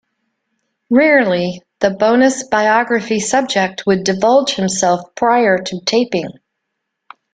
Rarely, the Bonus Biography subject would divulge himself prior to taping.